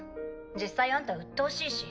実際あんたうっとうしいし。